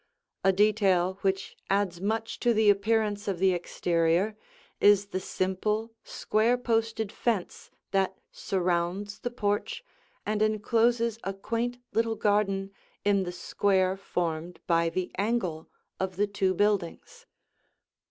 A detail which adds much to the appearance of the exterior is the simple, square posted fence that surrounds the porch and encloses a quaint little garden in the square formed by the angle of the two buildings.